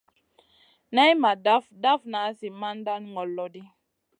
Nay ma daf dafna zi mandan ŋol lo ɗi.